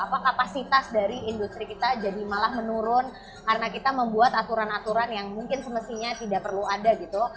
apa kapasitas dari industri kita jadi malah menurun karena kita membuat aturan aturan yang mungkin semestinya tidak perlu ada gitu